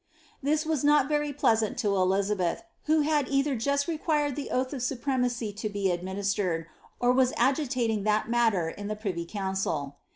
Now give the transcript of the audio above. This was not very pleasant io Elizabeth, who had either just required the oath of supremacy to be ad ministeredf or was agitating that matter in the privy council.